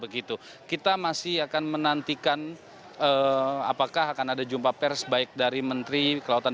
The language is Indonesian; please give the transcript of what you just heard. kita masih akan menantikan apakah akan ada jumpa pers baik dari menteri kelautan